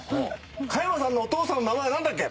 加山さんのお父さんの名前何だっけ？